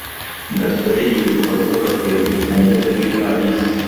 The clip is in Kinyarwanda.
gasore yibuka guha gakwego urufunguzo rw'ivarisi